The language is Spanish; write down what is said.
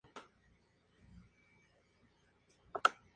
Guy: Celebrity Cook-Off.